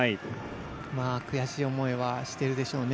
悔しい思いはしてるでしょうね。